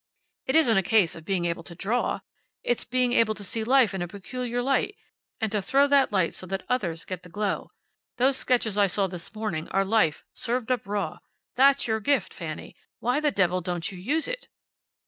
It isn't a case of being able to draw. It's being able to see life in a peculiar light, and to throw that light so that others get the glow. Those sketches I saw this morning are life, served up raw. That's your gift, Fanny. Why the devil don't you use it!"